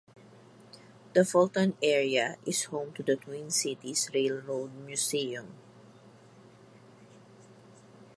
The Fulton area is home to the Twin Cities Railroad Museum.